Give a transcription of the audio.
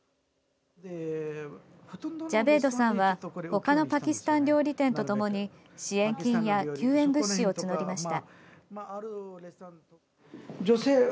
ジャベイドさんはほかのパキスタン料理店とともに支援金や救援物資を募りました。